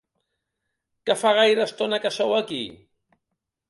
Que fa gaire estona que sou aquí?